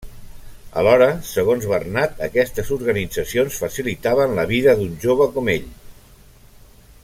Alhora, segons Bernat, aquestes organitzacions facilitaven la vida d'un jove com ell.